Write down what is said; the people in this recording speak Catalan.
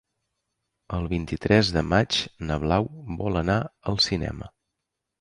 El vint-i-tres de maig na Blau vol anar al cinema.